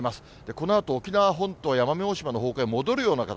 このあと沖縄本島や奄美大島の方向へ戻るような形。